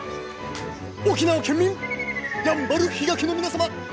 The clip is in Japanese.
沖縄県民やんばる比嘉家の皆様！